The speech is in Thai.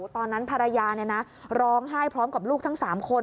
ตอนนั้นภรรยาร้องไห้พร้อมกับลูกทั้ง๓คน